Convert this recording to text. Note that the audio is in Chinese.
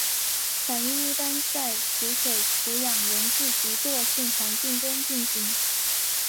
反应一般在除水除氧溶剂及惰性环境中进行。